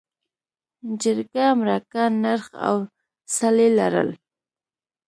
جرګه، مرکه، نرخ او څلي لرل.